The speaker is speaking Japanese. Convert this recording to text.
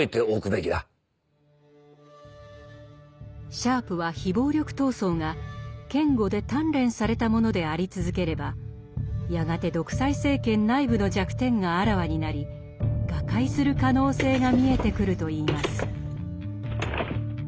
シャープは非暴力闘争が堅固で鍛錬されたものであり続ければやがて独裁政権内部の弱点があらわになり瓦解する可能性が見えてくるといいます。